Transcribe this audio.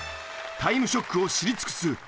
『タイムショック』を知り尽くす猛者なのだ。